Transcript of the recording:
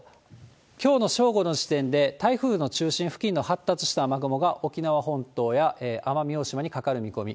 きょうの正午の時点で、台風の中心付近の発達した雨雲が沖縄本島や奄美大島にかかる見込み。